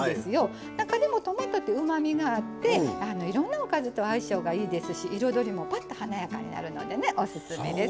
中でもトマトってうまみがあっていろんなおかずと相性がいいですし彩りもぱっと華やかになるのでねオススメです。